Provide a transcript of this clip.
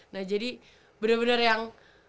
nah jadi bener bener yang